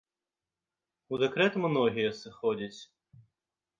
У дэкрэт многія сыходзяць.